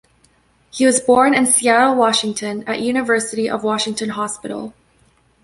He was born in Seattle, Washington, at University of Washington hospital.